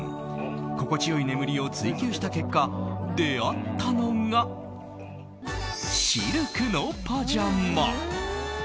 心地良い眠りを追求した結果出会ったのがシルクのパジャマ。